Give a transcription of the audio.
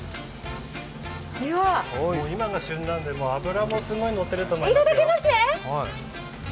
今が旬なので、脂もすごくのってると思いますよ。